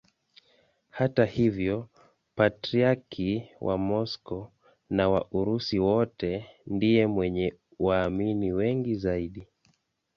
Hata hivyo Patriarki wa Moscow na wa Urusi wote ndiye mwenye waamini wengi zaidi.